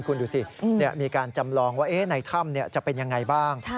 คุณดูสิมีการจำลองว่าในถ้ำจะเป็นยังไงบ้าง